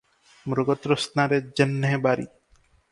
ମୃଗତୃଷ୍ଣାରେ ଯେହ୍ନେ ବାରି ।